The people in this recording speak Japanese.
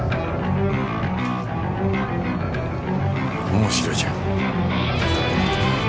面白いじゃん。